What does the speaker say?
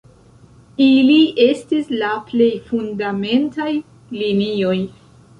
Ili estis la plej fundamentaj linioj.